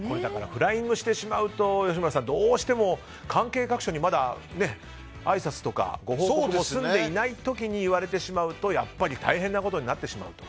フライングしてしまうとどうしても吉村さん、関係各所にあいさつとかご報告も済んでいない時に言われてしまうと大変なことになってしまうと。